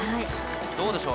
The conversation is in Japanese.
どうでしょう？